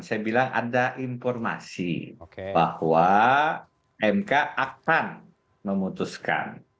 saya bilang ada informasi bahwa mk akan memutuskan